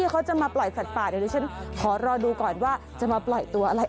เขาจะมาปล่อยสัตว์ป่าเดี๋ยวดิฉันขอรอดูก่อนว่าจะมาปล่อยตัวอะไร